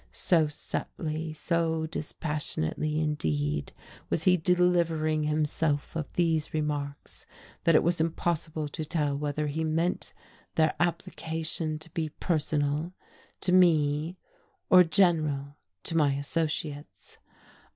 So subtly, so dispassionately indeed was he delivering himself of these remarks that it was impossible to tell whether he meant their application to be personal, to me, or general, to my associates.